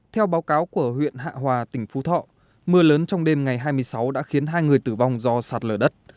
theo báo cáo của huyện hạ hòa tỉnh phú thọ mưa lớn trong đêm ngày hai mươi sáu đã khiến hai người tử vong do sạt lở đất